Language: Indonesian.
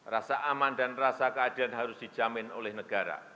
rasa aman dan rasa keadilan harus dijamin oleh negara